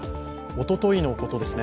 おとといのことです。